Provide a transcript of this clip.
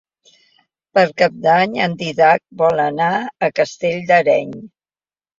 Per Cap d'Any en Dídac vol anar a Castell de l'Areny.